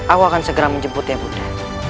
aku akan segera menjemput ya buddha